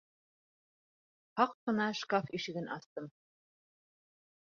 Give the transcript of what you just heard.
Һаҡ ҡына шкаф ишеген астым.